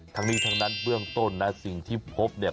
ทั้งนี้ทั้งนั้นเบื้องต้นนะสิ่งที่พบเนี่ย